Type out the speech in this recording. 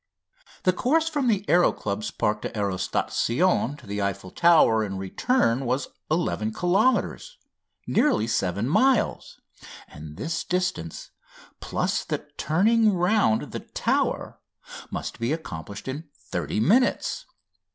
The course from the Aéro Club's Parc d'Aerostation to the Eiffel Tower and return was 11 kilometres (nearly 7 miles), and this distance, plus the turning round the Tower, must be accomplished in thirty minutes.